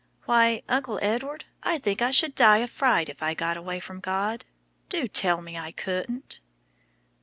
Why, Uncle Edward, I think I should die of fright if I got away from God. Do tell me I couldn't."